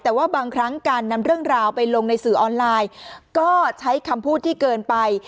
แต่ว่าบางครั้งการนำเรื่องราวไปลงในสื่อออนไลน์ก็ใช้คำพูดที่เกินไป